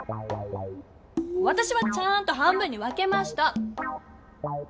わたしはちゃんと半分にわけました！